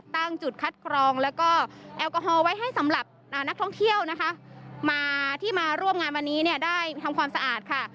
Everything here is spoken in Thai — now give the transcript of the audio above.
ตั้งจุดคัดกรองแล้วก็แอลกอฮอล์ไว้ให้สำหรับนักท่องเที่ยวนะคะมาที่มาร่วมงานวันนี้เนี่ยได้ทำความสะอาดค่ะ